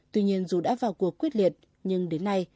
tuy nhiên dù đã vào cuộc quyết liệt nhưng đến nay